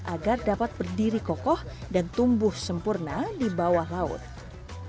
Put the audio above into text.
agar dapat berdiri kokoh dan tumbuh sempurna di bawah laut